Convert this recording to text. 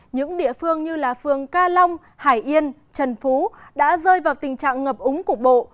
những địa phương như phường ca long hải yên trần phú đã rơi vào tình trạng ngập úng cục bộ